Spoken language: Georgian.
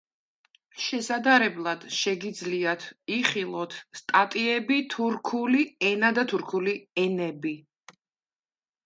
შესადარებლად შეგიძლიათ იხილოთ სტატიები თურქული ენა და თურქული ენები.